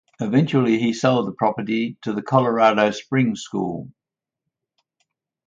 Eventually he sold the property to The Colorado Springs School.